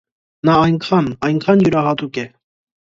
Նա այնքան, այնքան յուրահատուկ է։